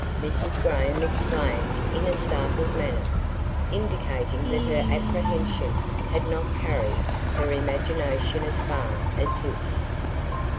Mrs. Graham exclaimed in a startled manner, indicating that her apprehension had not carried her imagination as far as this.